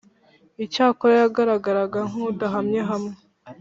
icyakora yagaragaraga nk’udahamye hamwe